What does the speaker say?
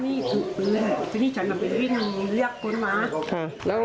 และฉันก็ไปเลียกคนมา